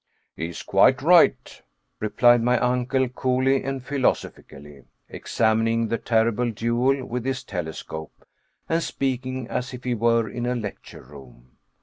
"He is quite right," replied my uncle coolly and philosophically, examining the terrible duel with his telescope and speaking as if he were in a lecture room.